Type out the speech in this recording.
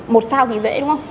một sao thì dễ đúng không